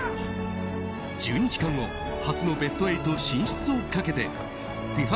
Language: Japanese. １２時間後初のベスト８進出をかけてＦＩＦＡ